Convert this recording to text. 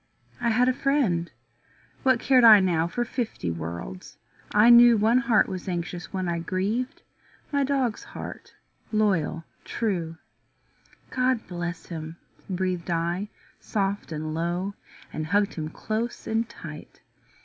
I had a friend; what cared I now For fifty worlds? I knew One heart was anxious when I grieved My dog's heart, loyal, true. "God bless him," breathed I soft and low, And hugged him close and tight.